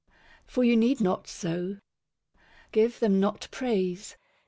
For you need not so. Give them not praise.